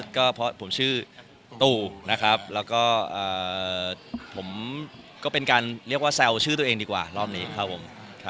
ก็เพราะผมชื่อตู่นะครับแล้วก็ผมก็เป็นการเรียกว่าแซวชื่อตัวเองดีกว่ารอบนี้ครับผม